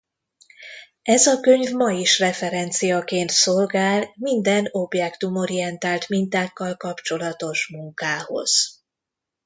Ez a könyv ma is referenciaként szolgál minden objektumorientált mintákkal kapcsolatos munkához.